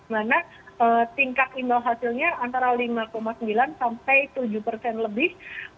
mana tingkat imbau hasilnya antara lima sembilan sampai tujuh persen lebih